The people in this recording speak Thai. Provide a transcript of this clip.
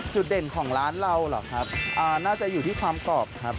จุดเด่นของร้านเราเหรอครับน่าจะอยู่ที่ความกรอบครับ